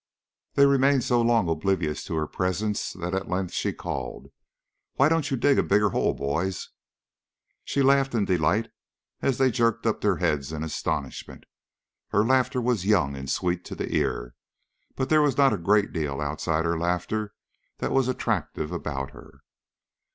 They remained so long oblivious of her presence that at length she called, "Why don't you dig a bigger hole, boys?" She laughed in delight as they jerked up their heads in astonishment. Her laughter was young and sweet to the ear, but there was not a great deal outside her laughter that was attractive about her.